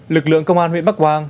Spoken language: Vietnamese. lực lượng công an huyện bắc quang